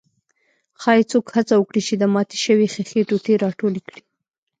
ښايي څوک هڅه وکړي چې د ماتې شوې ښيښې ټوټې راټولې کړي.